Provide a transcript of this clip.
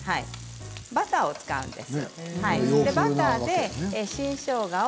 バターを使うんです。